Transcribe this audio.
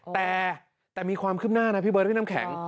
แต่มีความคืบหน้านะพี่เบิร์พี่น้ำแข็ง